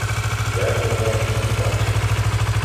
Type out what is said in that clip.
Een derde onderwerp is migratie.